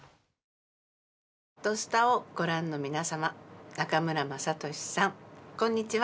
「土スタ」をご覧の皆様中村雅俊さん、こんにちは。